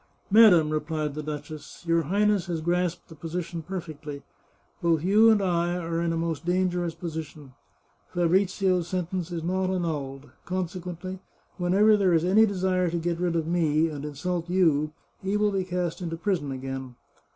" Madam," replied the duchess, " your Highness has grasped the position perfectly. Both you and I are in a most dangerous position. Fabrizio's sentence is not annulled. Consequently, whenever there is any desire to get rid of me, and insult you, he will be cast into prison again.